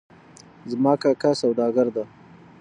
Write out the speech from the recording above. زما کاکا سوداګر ده